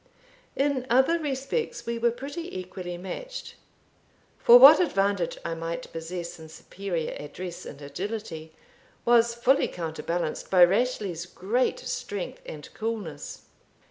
In other respects we were pretty equally matched: for what advantage I might possess in superior address and agility, was fully counterbalanced by Rashleigh's great strength and coolness.